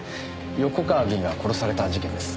横川議員が殺された事件です。